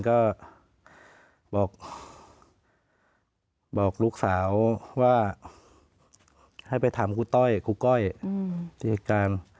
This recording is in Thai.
ก็บอกลูกสาวว่าให้ไปถามครูต้อยครูก้อยที่เหตุการณ์